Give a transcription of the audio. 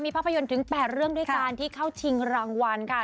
ภาพยนตร์ถึง๘เรื่องด้วยกันที่เข้าชิงรางวัลค่ะ